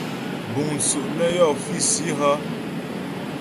Búŋ tsú' nə́ yɔ́ físi hə́ ?